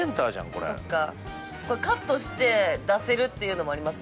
これそっかこれカットして出せるっていうのもあります